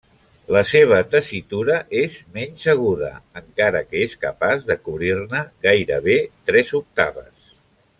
La seva tessitura és menys aguda, encara que és capaç de cobrir-ne gairebé tres octaves.